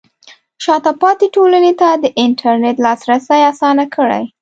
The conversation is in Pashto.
شاته پاتې ټولنې ته د انټرنیټ لاسرسی اسانه کړئ.